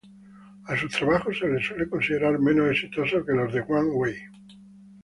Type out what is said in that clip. A sus trabajos se les suele considerar menos exitosos que los de Wang Wei.